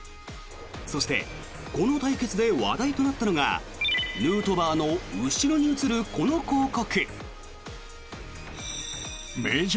そしてこの対決で話題となったのがヌートバーの後ろに映るこの広告。